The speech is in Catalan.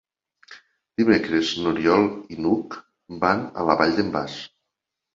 Dimecres n'Oriol i n'Hug van a la Vall d'en Bas.